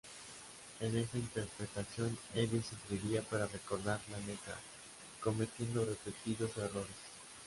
En esa interpretación, Eddie sufriría para recordar la letra, cometiendo repetidos errores.